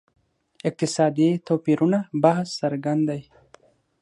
اقتصادي توپیرونو بحث څرګند دی.